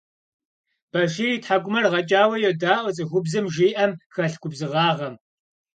Башир и тхьэкӀумэр гъэкӀауэ йодаӀуэ цӀыхубзым жиӀэм хэлъ губзыгъагъэм.